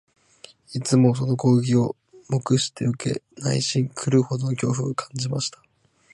いつもその攻撃を黙して受け、内心、狂うほどの恐怖を感じました